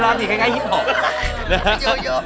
ร้านนี้ง่ายฮิปพอป